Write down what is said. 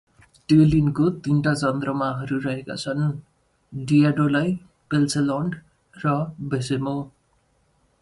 Tellene has three moons; Diadolai, Pelselond and Veshemo.